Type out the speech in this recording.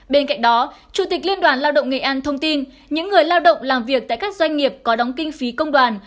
bên cạnh đó chủ tịch liên đoàn lao động nghệ an thông tin những người lao động làm việc tại các doanh nghiệp có đóng kinh phí công đoàn